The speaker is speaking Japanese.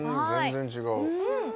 全然違う。